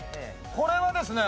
これはですね